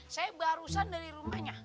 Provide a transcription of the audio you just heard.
saya barusan dari rumahnya